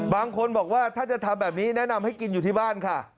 บางคนบอกว่าถ้าจะทำแบบนี้แนะนำให้กินอยู่ที่บ้านค่ะ